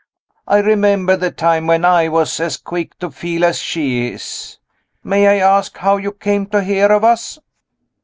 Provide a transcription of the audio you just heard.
I remember the time when I was as quick to feel as she is. May I ask how you came to hear of us?"